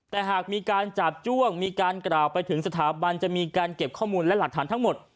แต่หากมีการจาบจ้วงมีการกล่าวไปถึงสถาบันจะมีการเก็บข้อมูลและหลักฐานทั้งหมด